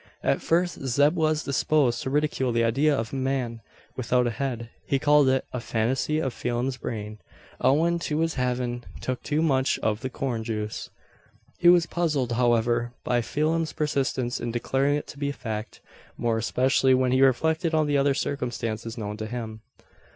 At first Zeb was disposed to ridicule the idea of a man without a head. He called it "a fantassy of Pheelum's brain, owin' to his havin' tuk too much of the corn juice." He was puzzled, however, by Phelim's persistence in declaring it to be a fact more especially when he reflected on the other circumstances known to him.